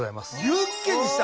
ユッケにした！